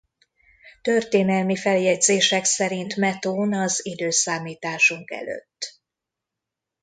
Történelmi feljegyzések szerint Metón az i.e.